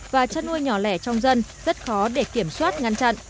và chăn nuôi nhỏ lẻ trong dân rất khó để kiểm tra